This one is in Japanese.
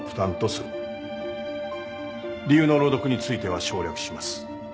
理由の朗読については省略します。